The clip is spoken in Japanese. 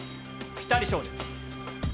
ピタリ賞です。